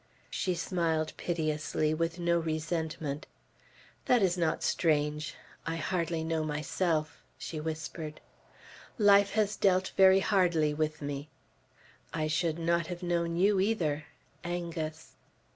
She smiled piteously, with no resentment. "That is not strange. I hardly know myself," she whispered. "Life has dealt very hardly with me. I should not have known you either Angus."